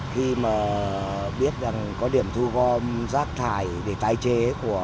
khi mà biết rằng có điểm thu gom rác thải để tái chế của